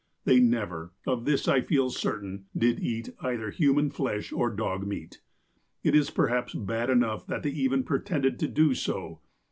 They never, — of this I feel certain, — did eat either hu man flesh or dog meat. It is perhaps bad enough that they even pretended to do so.